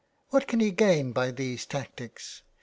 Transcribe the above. What can he gain by these tactics?